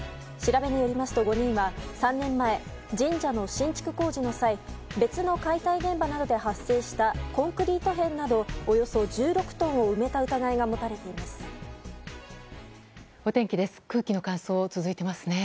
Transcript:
調べによりますと５人は３年前、神社の新築工事の際別の解体現場などで発生したコンクリート片などおよそ１６トンを埋めた疑いが持たれています。